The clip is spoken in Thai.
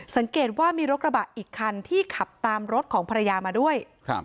สังเกตว่ามีรถกระบะอีกคันที่ขับตามรถของภรรยามาด้วยครับ